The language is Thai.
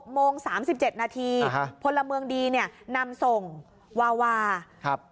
๖โมง๓๗นาทีพลเมืองดีนำส่งวาวา